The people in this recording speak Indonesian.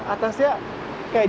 apa kondisi di atasnya